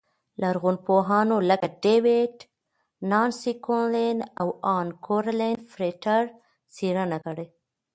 لرغونپوهانو لکه ډېوېډ، نانسي ګونلین او ان کورېن فرېټر څېړنه کړې